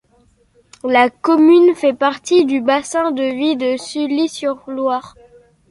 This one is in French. La commune fait partie du bassin de vie de Sully-sur-Loire.